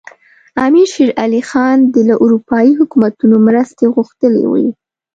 امیر شېر علي خان دې له اروپایي حکومتونو مرستې غوښتلي وي.